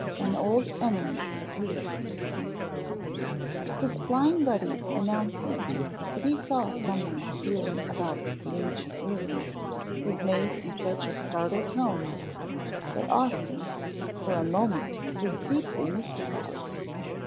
AN OLD ENEMY APPEARS His Flying Buddy's announcement that he saw some one stealing about the ancient ruin was made in such a startled tone, that Austin, for a moment was deeply mystified.